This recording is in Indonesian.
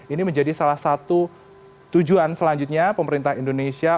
ini menjadi salah satu tujuan selanjutnya pemerintah indonesia